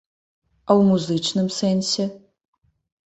А ў музычным сэнсе?